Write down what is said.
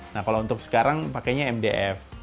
nah kalau untuk sekarang pakainya mdf